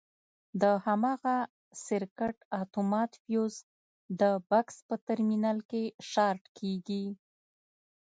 د هماغه سرکټ اتومات فیوز د بکس په ترمینل کې شارټ کېږي.